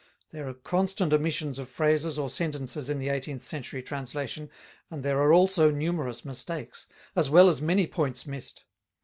There are constant omissions of phrases or sentences in the eighteenth century translation, and there are also numerous mistakes, as well as many points missed.